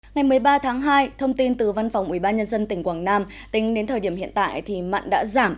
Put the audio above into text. ngày một mươi ba tháng hai thông tin từ văn phòng ubnd tỉnh quảng nam tính đến thời điểm hiện tại thì mặn đã giảm